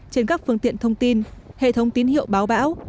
trên các phương tiện thông tin hệ thống tín hiệu báo bão